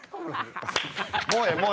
もうええ